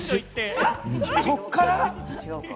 そっから？